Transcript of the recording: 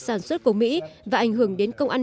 sản xuất của mỹ và ảnh hưởng đến công ăn